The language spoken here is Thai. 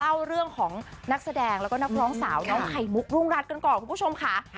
เล่าเรื่องของนักแสดงแล้วก็นักร้องสาวน้องไข่มุกรุงรัฐกันก่อนคุณผู้ชมค่ะ